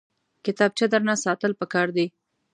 کتابچه درنه ساتل پکار دي